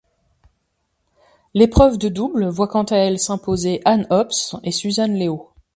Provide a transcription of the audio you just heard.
L'épreuve de double voit quant à elle s'imposer Anne Hobbs et Susan Leo.